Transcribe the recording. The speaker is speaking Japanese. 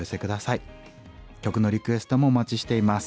曲のリクエストもお待ちしています。